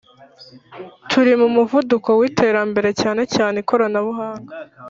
Turi mu muvuduko witerambere cyane cyane ikoranabuhanga